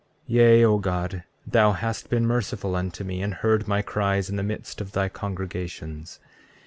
33:9 Yea, O God, thou hast been merciful unto me, and heard my cries in the midst of thy congregations.